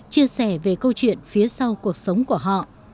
chia sẻ về câu chuyện phía sau cuộc sống của họ